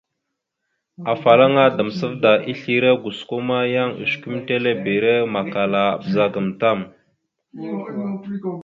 Afalaŋa Damsavda islé gosko ma yan osəkʉmətelebere makala a bəzagaam tam.